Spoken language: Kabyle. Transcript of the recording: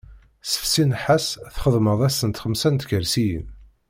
Sefsi nnḥas txedmeḍ-asent xemsa n tkersiyin.